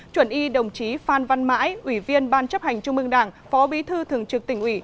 chuẩn y đồng chí phan văn mãi ủy viên ban chấp hành trung ương đảng phó bí thư thường trực tỉnh ủy